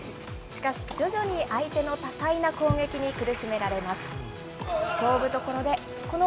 しかし、徐々に相手の多彩な攻撃に苦しめられます。